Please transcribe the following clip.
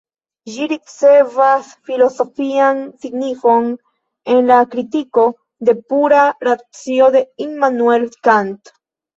Ĝi ricevas filozofian signifon en la Kritiko de Pura Racio de Immanuel Kant.